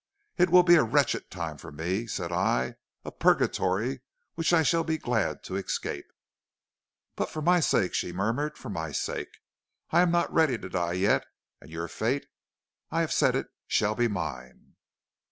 "'It will be a wretched time for me,' said I, 'a purgatory which I shall be glad to escape.' "'But for my sake,' she murmured, 'for my sake; I am not ready to die yet, and your fate I have said it shall be mine.'